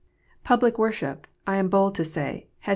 279 Public worship, I am bold to say, has